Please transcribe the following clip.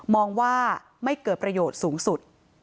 มองว่าไม่เกิดประโยชน์สูงสุด